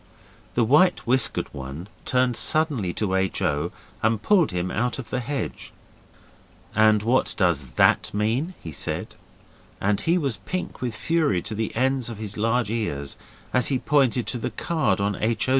The white whiskered one turned suddenly to H. O. and pulled him out of the hedge. 'And what does that mean?' he said, and he was pink with fury to the ends of his large ears, as he pointed to the card on H. O.